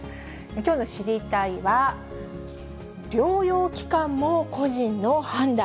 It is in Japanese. きょうの知りたいッ！は、療養期間も個人の判断。